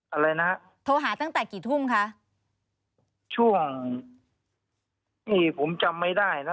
อะไรนะโทรหาตั้งแต่กี่ทุ่มคะช่วงนี่ผมจำไม่ได้นะ